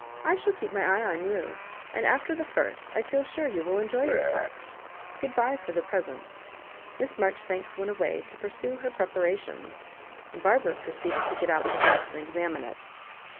I shall keep my eye on you ; and after the first, I feel sure you will enjoy yourself. Good bye for the pre sent" Miss Maijoribanks went away to pursue her preparations, and Barbara proceeded to get out her dress and examine it.